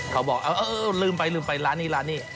เขาบอกเออลืมไปร้านนี้